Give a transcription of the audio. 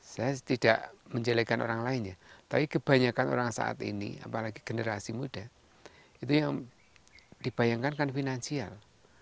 saya tidak menjelekan orang lain ya tapi kebanyakan orang saat ini apalagi generasi muda itu yang dibayangkan kan finansial